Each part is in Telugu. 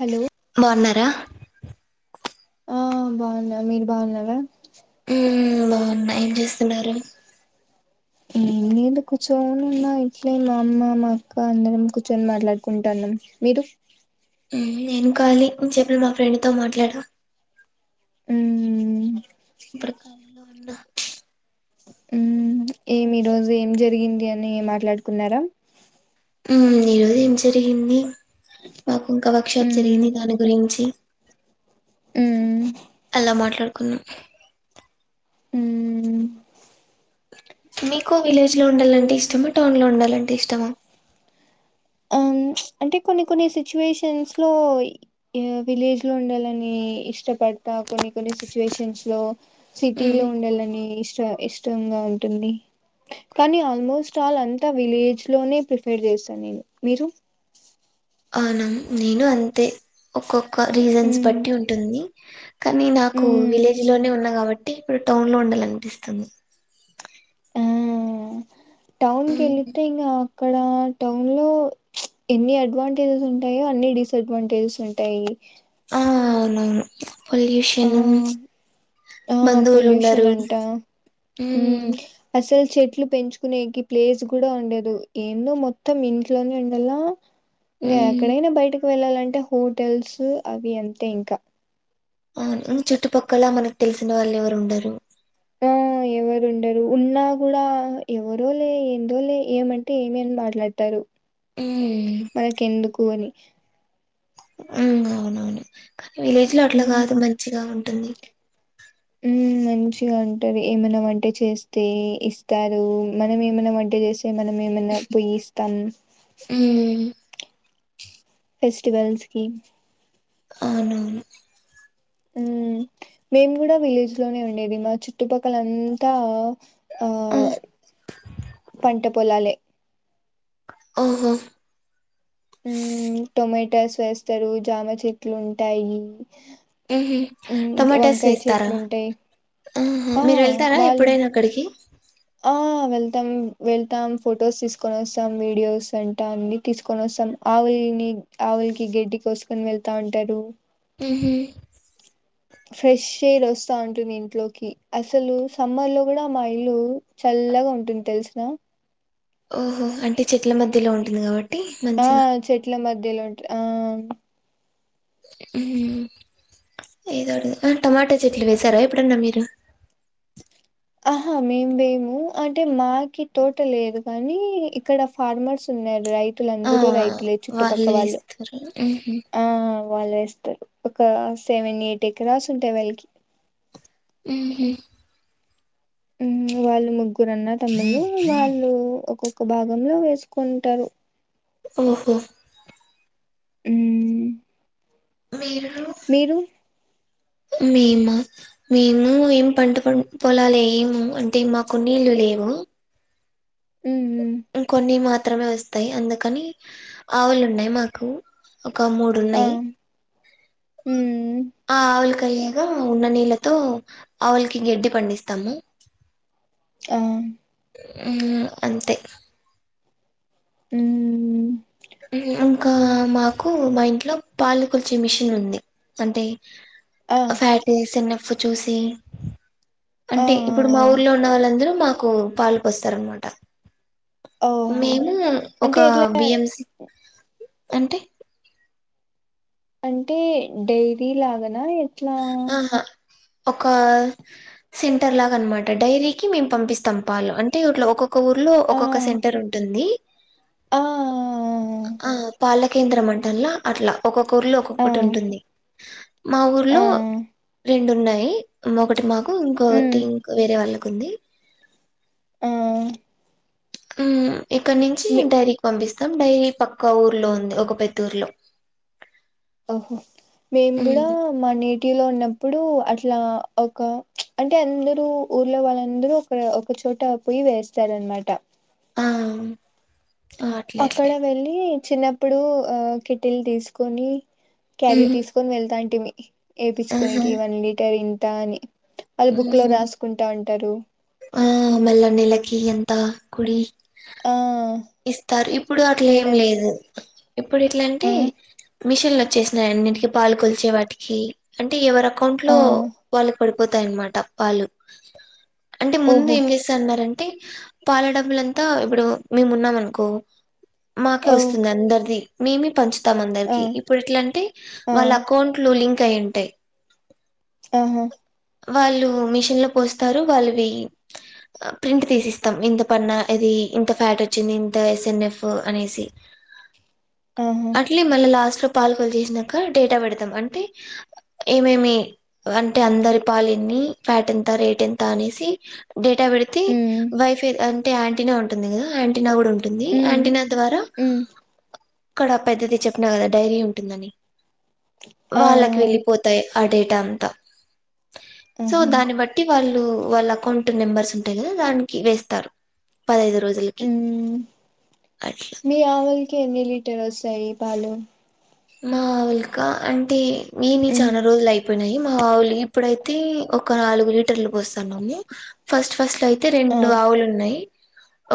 హలో బాగున్నారా ఆ బాగున్నా మీరు బాగున్నార ఉ బాగున్న ఏం చేస్తున్నారు నేను కూర్చొని ఉన్నా ఇట్లే మా అమ్మ మా అక్క అందరం కూర్చొని మాట్లాడుకుంటానం మీరు ఊ నేను కాలి ఇంసేప్ మా ఫ్రెండ్ తో మాట్లాడ మ్మ్ ప్రక నువ్ ఉండు మ్మ్ ఏమి ఈ రోజు ఏం జరిగింది అని మాట్లాడుకున్నారా మ్మ్ ఈరోజు ఏం జరిగింది మాకు ఇంకా వర్క్షాప్ మ్మ్ జరిగింది దాని గురించి మ్మ్ అలా మాట్లాడు ఉ హ్మ్మ్ మీకు విలేజ్ లో ఉండాలంటే ఇష్టమా టౌన్ లో ఉండాలంటే ఇష్టమా అంటే కొన్ని కొన్ని సిచ్యువేషన్స్ లో ఇ విలేజ్ లో ఉండాలని ఇష్టపడతా కొన్ని కొన్ని సిచ్యువేషన్స్లో సిటీ ఉమ్ లో ఉండాలని ఇష్ చ ఇష్టంగా ఉంటుంది కానీ ఆల్మోస్ట్ ఆల్ అంతా విలేజ్ లోనే ప్రిఫెర్ చేస్త నేను మీరు అవునా నేను అంతే ఒక్కోక్ క రీజన్స్ మ్మ్ బట్టి ఉంటుంది కానీ నాకు మ్మ్ విలేజ్ లోనే ఉన్నా కాబట్టి ఇప్పుడు టౌన్ లో ఉండాలనిపిస్తుంది ఆ టౌన్ ఉమ్ కెళితే ఇంగా ఇక్కడ టౌన్ లో ఎన్ని అడ్వాంటేజెస్ ఉంటాయో అన్ని డిస్ అడ్వాంటేజెస్ ఉంటాయి ఆ అవునవును ఆ పొల్యూషను ఆ పొల్యూషన్ బంధువులుండరు అంట మ్మ్ హమ్ అసలు చెట్లు పెంచుకునే కి ప్లేస్ గుడ ఉండదు ఏందో మొత్తం ఇంట్లోనే ఉండాలా ఇంగ ఉమ్ ఎక్కడయిన బయటి వెళ్ళాలంటే హోటల్స్ అవి అంతే ఇంకా అవును ఇం చుట్టుపక్కల మనకు తెలిసిన వాళ్ళెవరుండరు ఆ ఎవరు ఉండరు ఉన్నా కూడా ఎవరో లే ఏందో లే ఏమంటే ఏమేని మాట్లాడతారు ఉమ్ మనకెందుకు అని ఉమ్ అవునవును విలేజ్ లో అట్ల మ్మ్ కాదు మంచిగా ఉం టుంది హమ్ మంచిగా ఉంటారు ఏమైనా వంట చేస్తే ఇస్తారు మనం ఏమైనా వంట చేస్ తే మనం ఏమైనా పొయి ఇస్తాం ఉమ్, ఫెస్టివల్స్కి అవునవును ఉ మేము కూడా విలేజ్ లోనే ఉండేది మా చుట్టుపక్కల అంతా అ పంటపొలాలే ఓహో ఉమ్ టొమాటాస్ వేస్తారు జామ చెట్లు ఉంటాయి ఉహు మ్మ్ టొమాటాస్ వంకాయ వేస్తారా చెట్లు ఉంటాయి ఉహు ఆ మీరు వెళ్తారా వాళ్ళు ఎప్పుడైనా అక్కడికి ఆ వెళ్తాం వెళ్తాం ఫొటోస్ తీసుకొని వస్తాం వీడియోస్ అంటా అన్ని తీసుకొని వస్తాం ఆవులిని ఆవులికి గడ్డికొసుకొని వెళ్తా ఉంటారు ఉహు ఫ్రెష్ ఎయిర్ వస్తా ఉంటుంది ఇంట్లోకి అసలు సమ్మర్ లో కూడా మా ఇల్లు చల్లగా ఉంటుంది తెలుసునా ఓహో అంటే చెట్ల మధ్యలో ఉంటుంది కాబట్ ఆ చెట్ల మధ్యలో ఉంట్ ఆ మ్మ్ ఏదో టమాటా చెట్లు వేసారా ఎప్పుడన్నా మీరు ఆహా మేం మేము అంటే మాకి తోట లేదు కానీ ఇక్కడ ఫార్మర్స్ ఉన్నారు ఆ రైతులందరూ రైతు లే చుట్టుపక్క వాళ్ళు వేస్తారు ఉహు ఆ వాళ్ళు వేస్తరు ఒక సెవెన్ ఎయిట్ ఎకరాస్ ఉంటయి వాళ్ళకి మ్మ్ హ్మ్ వాళ్ళు ముగ్గురు అన్న తములు వాళ్ళు ఒక్కొక్క భాగంలో వేసుకుంటారు ఓహో మ్మ్ మీరు మీరు మేమా మేము ఏం పంట ప పొలాల ఏము అంటే మాకు నీళ్లు లేవు మ్మ్ కొన్ని మాత్ర మాత్రమే వస్తాయి అందుకని ఆవులు ఉన్నాయి మాకు ఒక మూడు ఆ ఉన్నాయి మ్మ్ ఆ కయగా ఉన్న నీళ్ళతో ఆవులకి గడ్డి పండిస్తాము ఆ ఆ అంతే మ్మ్ ఇంకా మాకు మా ఇంట్లో పాలుకొల్చే మిషిన్ ఉంది అంటే ఆ ఫ్యాట్ ఎస్న్ఫ్ ఫ్ చూసి ఆ అంటే ఇప్పుడు మా ఊర్లో ఉన్న వాళ్ళందరూ మాకు పాలు పోస్తారు అన్నమాట ఆ ఓహో మేము ఒక అంటే ఎట్లా బిఎంసి అంటే అంటే డెయిరీ లాగాన ఎట్లా ఆహా ఒక సెంటర్ లాగా అనమాట డైరీకి మేము పంపిస్తం పాలు అంటే ఇట్లో ఒక్కొక్క ఊర్లో ఆ ఒక్కొక్క సెంటర్ ఉంటుంది ఆ ఆ పాల కేంద్రం అంటన్ల అట్లా ఒక్కొక్కఊరిలో ఆ ఒక్కొక్కటి ఉంటుంది మా ఊరు ఆ లో రెండు ఉన్నాయి ఒకటి మా ఇంకొకటి మ్మ్ ఇంకో వేరే వాళ్ళకి ఉంది ఆ హ్మ్ ఇక్కడ నుంచి మీ డైరీక్కి పంపిస్తంది డై పక్కా ఊర్లో ఉంది ఒక పెత్తూర్లో ఓహో. మేము కూడా మానీ. వటిలో ఉన్నప్పుడు అట్లా ఒక చ్చ అంటే అందరూ ఊర్లో వాళ్ళందరూ ఒక ఒక చోట పొయి వస్తారనమాట. ఆ. ఆ, అట్లే అక్కడ అట్లే వెళ్ళి. చిన్నప్పుడు ఆ కిటిల్ తీసుకొని. క్యారీ ఉమ్ తీసుకొని వెళ్తా ఇంటికి. [unintelligible] ఆహా ఎపిచ్చుకొనికి ఇ వన్నీ లీటర్ ఇన్. దాని. వాళ్ళు బుక్ లో ఉమ్ రాసుకుంటా అంటారు. ఆ మల్ల నేలకి ఎంత కుడి. ఆ ఇస్తారు ఇప్పుడు అట్లా నెల ఏం లేదు ఇప్పుడు ఇట్లా ఆ అంటే. మిషన్లు వచ్చేసినా అన్నింటికి పాలు కొల్చే వాటికి అంటే ఎవర. అకౌంట్ లో ఆ వాళ్ళుకు పడు. పోతాయన్నమాట వాళ్ళు. అంటే ముందు ఓహో ఏం జెస్త అన్నరండి. అంటే పాలడబ్బులంతా ఇప్పుడు మేము మున్నామనుకో. మాకే ఓ వొస్తుంది అందరిది. మేమే పంచు. ఇతం ఆ అందరికి ఇప్పుడు ఇట్లఅంటే ఆ వాళ్ళ అకౌంట్ ట్లు లింక్. కై ఉంటాయ్. ఆహా. వాళ్ళు మిషన్ లో పోస్తారు వాళ్ళవి అ ప్రింట్ తీసిస్తాం ఇంత పన్న ఇది ఇంత ఫ్యాట్ వచ్చింది ఇంత ఎస్ ఎఫ్ అనేసి. ఆహా అట్లీ మన లాస్ట్. పాలకోవా చేసినాక డేటా పెడతాం అంటే ఏమేమి అంటే అందరు. పాలిన్ని ఫ్యాట్ ఎంత రేట్ ఎంత అనేసి. డేటా వెడితే ఉమ్ వైఫై ఆన్. అంటే ఆంటీనా ఉంటుంది కదా ఆంటీనా కూడా ఉ. ఉంటుంది ఉమ్ ఆంటిన ద్వారా. ఉమ్ ఇక్కడ పెద్దది చెప్పిన కదా డైరీ ఉంటుందని. ఆ వాళ్ళకి వెళ్ళిపోతాయ్. అడేట అంత. సో ఆహా దాన్ని బట్టి వాళ్ళు. వాళ్ళ అకౌంట్ నెంబర్స్ ఉంటాయి కదా దానికి వేస్తారు. పదిఐదు రోజులకి ఉమ్ అట్లా టరు వస్తాయి పాలు మా ఆవుల్క అంటే మీ నీ ఉమ్ చాలా రోజలు అయిపోయినాయి. మా ఆవులు ఇప్పుడైతే ఒక నాలుగు లీ ర్లు పోస్తాన్నాము ఫస్ట్ ఫస్ట్ లో అయితే ఆ రెండు ఆవులు ఉన్నాయి.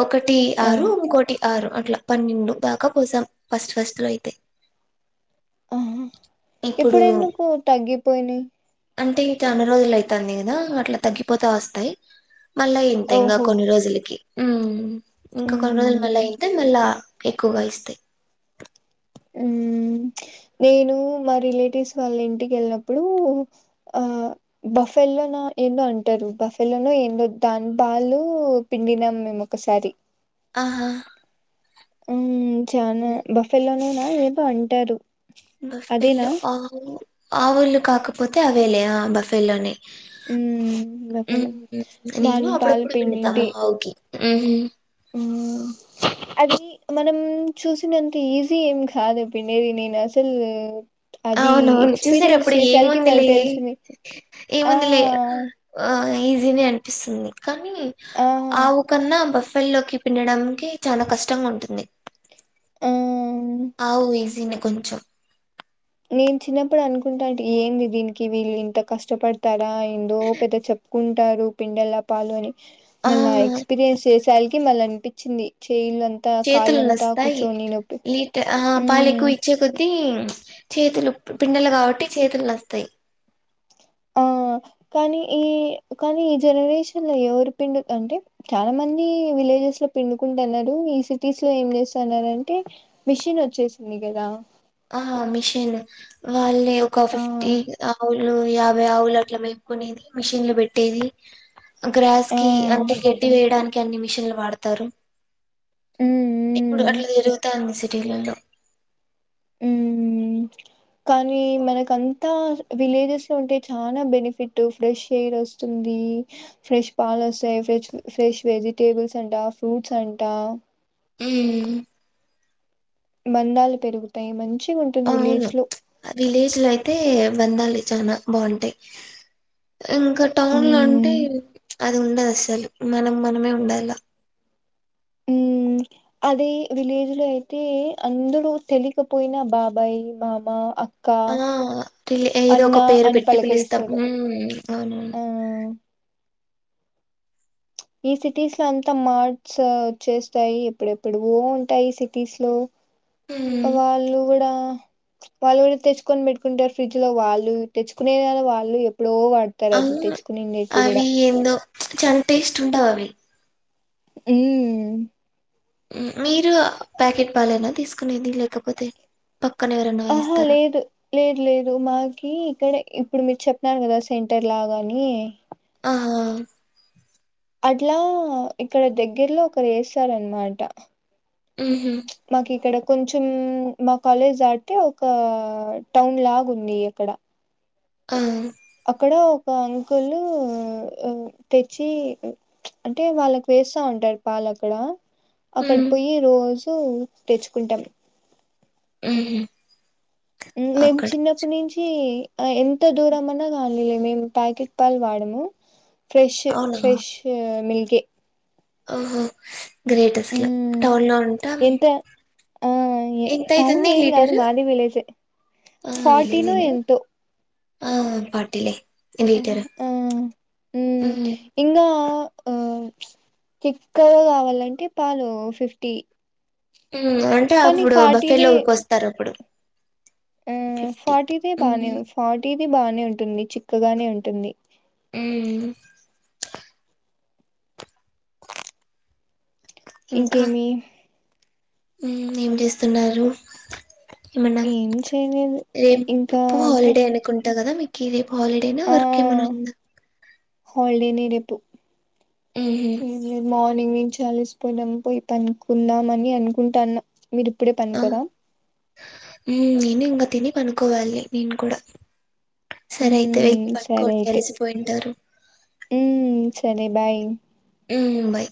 ఒకటి ఆ ఆరు ఇంకోటి ఆరు అట్లా పన్నెండు దాకా పోసాం ఫస్ట్ ఫస్ట్ లో అయితే ఇప్పుడు ఎందుకు తగ్గిపోయినియి అన్ని రోజులు అయితుంది కదా అట్లా తగ్గిపోతా వస్తాయి మళ్ళా ఇంత ఇంకా ఓహో కొన్ని రోజులకి హ్మ్ ఇంకా ఉమ్ కొన్ని రోజులు మళ్ళా అయితే మల్ల ఎక్కువగా ఇస్తాయి హ్మ్ నేను మా రిలేటివ్స్ వాళ్ళ ఇంటికి వెళ్ళినప్పుడు ఆ బఫెల్లోనో ఏందో అంటారు బఫెల్లోన ఏందో దాని పాలు పిండినాం మేము ఒకసారి ఆహా హ్మ్ చానా బఫెల్లోనే ఇవాళో రేపో అంటారు. అదేనా బఫల్లో ఆవు ఆవులు కాకపోతే అవేలే బఫేల్లోనే ఉమ్ బఫెలో హ్మ్ నేను దాని పాలు అప్పుడప్పుడు పిండుతా మా ఆవుకి హ్మ్ హ్మ్ అది మనం చూసినంత ఈజీ ఏం కాదు పిండేది నేను అసలు అది అవునవును చూసారు ఎక్స్పీరియన్స్ అప్పుడు చేసరికి ఏముంది లే మళ్ళీ తెలిసింది ఆ ఏముంది లే ఆ ఆ ఈజీనే అనిపిస్తుంది కానీ ఆ ఆవు కన్నా బస్ పళ్ళె లోకి పిండడానికి చాలా కష్టంగా ఉంటుంది ఆ ఆవు వేస్ దీన్ని కొంచెం నేను చిన్నప్పుడు అనుకుంటా అంటే ఏంది దీనికి వీళ్ళు ఇంత కష్టపడతారా ఏందో పెద్ద చెప్ కుంటారు పిండెలా పాలు అని ఆ మళ్ళా ఎక్స్పీరియన్స్ చేసి స్టైల్ కి మళ్ళీ అనిపించింది చేయిండని చేతులు నొస్తాయి లీటర్ ఆ పాలు ఉమ్ ఎక్కువ ఇచ్చే కొద్దీ చేతులు పిండలే కాబట్టి చేతులు నోస్తాయి ఆ కానీ ఈ కానీ ఈ జనరేషన్ లో ఎవరు పిండు అంటే చాలా మంది విలేజెస్ లో పిండుకుంటున్నారు ఈ సిటీస్ లో ఏం చేస్తున్నారు అంటే మిషిన్ వచ్చేసింది కదా ఆ మిషన్ వాళ్ళే ఒక ఆ ఫిఫ్టీ ఆవులు యాభై ఆవులు అట్లా మేపుకునేది మిషిన్లు పెట్టేది గ్రాస్ ఆ కి అంటే గడ్డి వేయడానికి అన్ని మిషన్లు వాడతారు ఇప్పుడు ఉమ్ అట్లా జరుగుతాంది సి టిలలో ఉ కానీ మనకంతా విలేజెస్ లో ఉంటే చాలా బెనిఫిట్ ఫ్రెష్ ఎయిర్ వస్తుంది ఫ్రెష్ పాలు వస్తాయి ఫ్రెష్ ఫ్రెష్ వెజిటేబుల్స్ అంట ఫ్రూట్స్ అంట హు బంధాలు పెరుగుతాయి మంచి అవును విలేజ్ లో అయితే బంధాలు చనా బాగుంటాయి ఇంకా టౌన్ లో అంటే ఉమ్ అది ఉండదు లు మనం మనమే ఉండాల హు అదే విలేజ్ లో అయితే అందరూ తెలియకపోయినా బాబాయ్ మామ అ ఆ ఏదో ఒక పేరు అని పెట్టి పిలుస్తాం హు పలకరిస్తారు. అవునను ఆ! ఈ సిటీస్ లో అంతా మార్ట్స్ వచ్చేస్తాయి ఎప్పుడెప్పుడు ఓ ఉంటాయి సిటీస్ లో హ్మ్ వాళ్ళు కూడా వాళ్ళు కూడా తెచ్చుకొని పెట్టుకుంటారు ఫ్రిడ్జ్ లో వాళ్ళు తెచ్చుకునే వాళ్ళు ప్పుడో వాడతారు అది తెచ్చుకునిండేటిది కూడా చం టేస్ట్ ఉండవవిే హు మ్ మీరు ప్యాకెట్ పాలేనా తీసుకునేది లేకపోతే పక్కన ఎవరన్నా ఆహా ఇస్తారా లేదు లేదు లేదు మాకి ఇక్కడే ఇప్పుడు మీరు చెప్పినారు కదా సెంటర్ లాగాని ఆ అట్లా ఇక్కడ దగ్గర్లో ఒకరు ఏస్తారనమాట ఊహు మాకి ఇక్కడ కొంచం మా కాలేజ్ దటితే ఒక టౌన్ లాగ ఉంది అక్కడ అ అక్కడ ఒక అంకులు తెచ్చి అంటే వాళ్ళకి వేస్తా ఉంటాడు పాలు అక్కడ అక్కడ హ్మ్ పోయి రోజు ూ తెచ్చుకుంటాం హు మేము చిన్నప్పటి నుంచి ఎంత దూరం అయినా కాని మేము ప్యాకెట్ పాలు వాడము ఫ్రెష్ అవునా ఫ్రెష్ మిల్క్ కే ఓహో గ్రేటెస్ట్లో టౌన్లో ఉంట ఎంత ఆ ఎ టౌన్ ఏం కాదు మాది విలేజే ఆ ఫార్టీను విలేజ్లా ఎంతో ఆ పాటిలే మ్మ్ మ్మ్ మ్మ్ ఇంగా ఆ చిక్కగా కావాలంటే పాలు ఫిఫ్టీ ఊ అంటే కానీ అప్పుడు ఫార్టీదే బఫేలో కోస్తారు అప్పుడు ఆ ఫిఫ్టీ ఫార్టీ దే బానే మ్మ్ ఫార్టీ ది బానే ఉంటుంది చిక్కగానే ఉంటుంది మ్మ్ ఇంకా ఇంకేమి మ్మ్ ఏం చేస్తున్నారు ఏమన్నా ఏమి చేయలేదు ఇంకా పో తగద మీకిది హాలిడేనా వర్క్ ఏమైనా ఉందా హాాలిడే నే రేపు మ్మ్ హ్మ్ ఏంలేదు మార్ర్నింగ్ నుంచ్ చాలసిపోయిడం పోయి తనుకుందాంమని అనుకుంటాన్న మీరు ఇప్పుడే ఆ పనుకోరా మ్మ్ నేను ఇంకా తిని పనుకోవాలి నేను కూడా సరే అయితే మ్మ్ వెళ్ళి సరే పడుకోండి అయితే అలిసిపోయింటారు మ్మ్ సరే బాయ్ మ్మ్ బాయ్